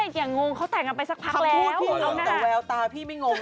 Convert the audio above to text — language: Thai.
อย่างงงต่างไปสักเฟพ